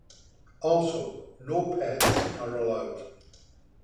Also, no pets are allowed.